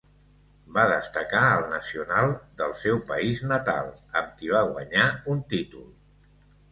Va destacar al Nacional, del seu país natal, amb qui va guanyar un títol.